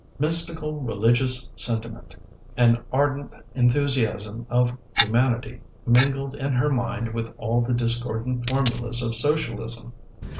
Mystical religious sentiment, an ardent enthusiasm of humanity, mingled in her mind with all the discordant formulas of socialism.